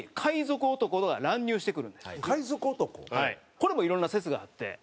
これもいろんな説があって。